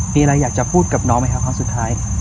มีอะไรอยากจะพูดกับน้องไหมครับครั้งสุดท้าย